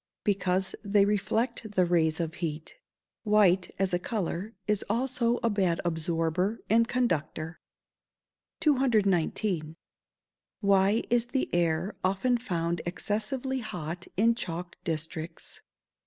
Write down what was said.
_ Because they reflect the rays of heat. White, as a colour, is also a bad absorber and conductor. 219. _Why is the air often found excessively hot in chalk districts?